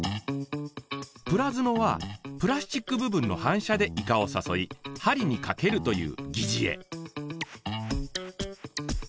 プラヅノはプラスチック部分の反射でイカを誘い針に掛けるという疑似餌。